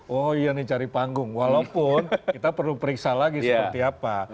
oh iya nih cari panggung walaupun kita perlu periksa lagi seperti apa